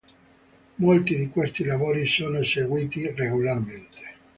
Molti di questi lavori sono eseguiti regolarmente.